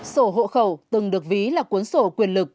sổ hộ khẩu từng được ví là cuốn sổ quyền lực